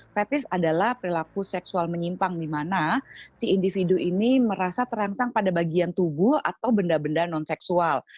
fetis adalah perilaku seksual menyimpang di mana si individu ini merasa terangsang pada bagian tubuh atau benda benda non seksual